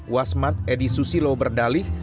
wasmat edi susilo berdalih